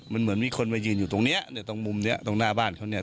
มันเหมือนมีคนมายืนอยู่ตรงเนี้ยเนี่ยตรงมุมเนี้ยตรงหน้าบ้านเขาเนี่ย